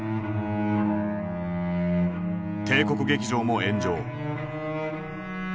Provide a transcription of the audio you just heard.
帝国劇場も炎上。